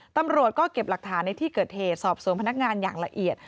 ตำรวจก็เก็บหลักฐานในที่เกิดเหตุสอบสวนพนักงานอย่างละเอียด